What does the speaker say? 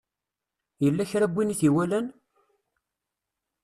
Yella kra n win i t-iwalan?